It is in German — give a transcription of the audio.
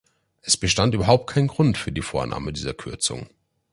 Es bestand überhaupt kein Grund für die Vornahme dieser Kürzung.